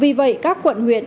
vì vậy các quận huyện